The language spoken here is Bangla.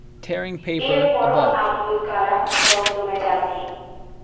এর পরও আবুল কালাম দমে যাননি।